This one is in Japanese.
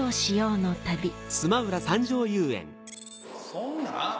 そんな？